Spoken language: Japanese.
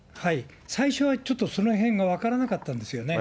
最初はちょっとその辺が分からなかったんですよね。